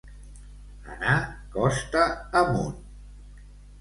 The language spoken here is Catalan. Anar costa amunt.